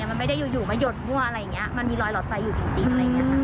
มันไม่ได้อยู่มาหยดมั่วอะไรอย่างนี้มันมีรอยหลอดไฟอยู่จริงอะไรอย่างนี้ค่ะ